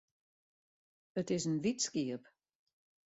It is in wyt skiep.